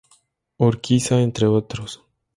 Urquiza, entre otros.